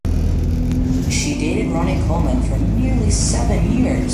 She dated Ronnie Coleman for nearly seven years.